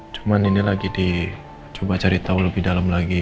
cuman ini lagi dicoba cari tau lebih dalam lagi